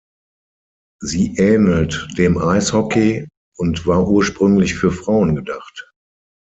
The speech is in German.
Sie ähnelt dem Eishockey und war ursprünglich für Frauen gedacht.